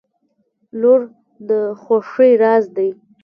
• لور د خوښۍ راز دی.